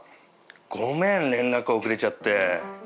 ごめん連絡遅れちゃって。